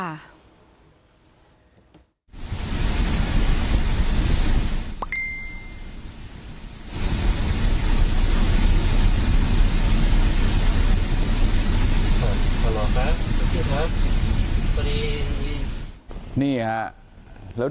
อ่าหรอครับคุณครับสวัสดีนี่ฮะแล้ว